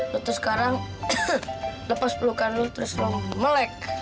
lu terus sekarang lepas pelukan lu terus lu melek